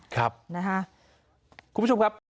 ครับคุณผู้ชมครับ